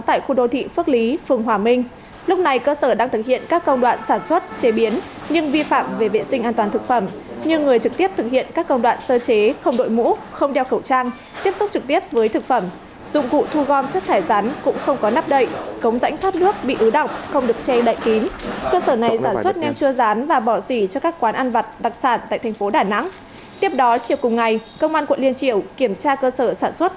tiếp đó chiều cùng ngày công an quận liên triệu kiểm tra cơ sở sản xuất gà sông khói